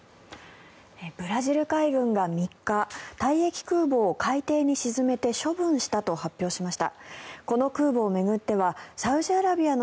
ブラジル海軍が３日退役空母を海底に沈めて処分したと発表しました。